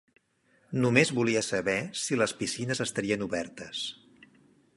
Només volia saber si les piscines estarien obertes.